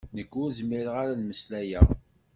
Nekk ur zmireɣ ara ad mmeslayeɣ.